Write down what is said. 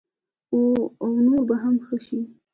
او نور به هم ښه شي.